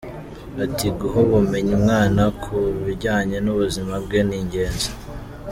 Ati “Guha ubumenyi umwana ku bijyanye n’ubuzima bwe ni ingenzi.